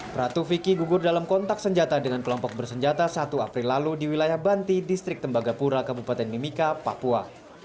pratu vicky gugur dalam kontak senjata dengan kelompok bersenjata satu april lalu di wilayah banti distrik tembagapura kabupaten mimika papua